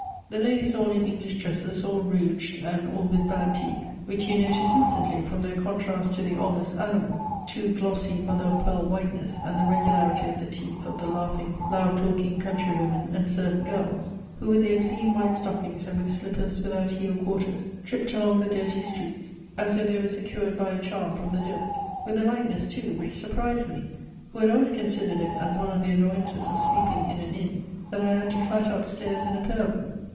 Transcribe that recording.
The ladies all in English dresses, all rouged, and all with bad teeth: which you notice instantly from their contrast to the almost animal, too glossy mother of pearl whiteness and the regularity of the teeth of the laughing, loud talking country women and servant girls, who with their clean white stockings and with slippers without heel quarters, tripped along the dirty streets, as if they were secured by a charm from the dirt: with a lightness too, which surprised me, who had always considered it as one of the annoyances of sleeping in an Inn, that I had to clatter up stairs in a pair of them.